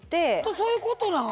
そういうことなん？